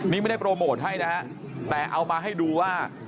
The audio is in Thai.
นี่ไม่ได้โปรโมทให้นะฮะแต่เอามาให้ดูว่า